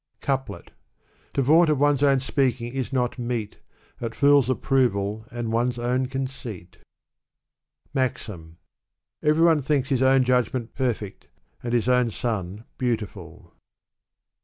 CoupUt To vaunt of one's own speaking is not meet. At fools' approval and one's own conceit. MAXIM. Every one thinks his own judgment perfect, and his own son beautiful.